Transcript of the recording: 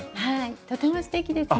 とてもすてきですね。